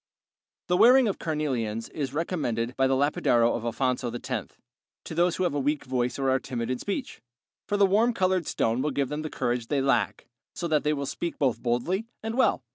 The wearing of carnelians is recommended by the Lapidario of Alfonso X to those who have a weak voice or are timid in speech, for the warm colored stone will give them the courage they lack, so that they will speak both boldly and well.